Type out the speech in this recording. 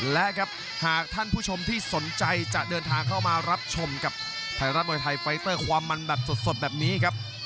และครับหากท่านผู้ชมที่สนใจจะเดินทางเข้ามารับชมกับไทยรัฐมวยไทยไฟเตอร์ความมันแบบสดแบบนี้ครับ